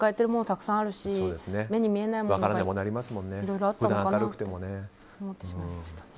たくさんあるし目に見えないものもいろいろあったのかなって思ってしまいました。